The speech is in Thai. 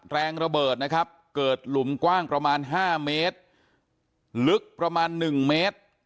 แรงระเบิดนะครับเกิดหลุมกว้างประมาณ๕เมตรลึกประมาณ๑เมตร